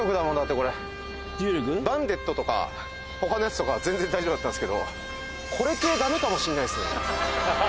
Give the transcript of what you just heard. バンデットとか他のやつは全然大丈夫だったんですけどこれ系ダメかもしんないっすね。